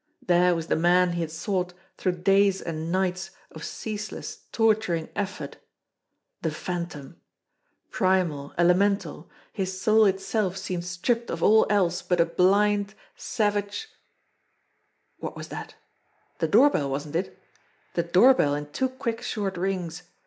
There was the man he had sought through days and nights of ceaseless, torturing effort. The Phantom ! Primal, elemental, his soul itself seemed stripped of all else but a blind, savage What was that? The doorbell, wasn't it? The doorbell in two quick, short rings